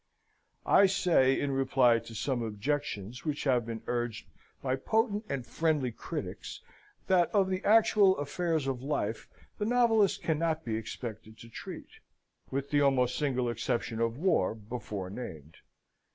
I say, in reply to some objections which have been urged by potent and friendly critics, that of the actual affairs of life the novelist cannot be expected to treat with the almost single exception of war before named.